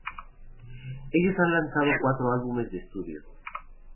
Ellos han lanzado cuatro álbumes de estudio.